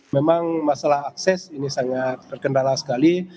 memang masalah akses ini sangat terkendala sekali